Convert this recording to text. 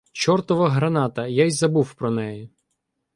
Чортова граната! Я й забув про неї.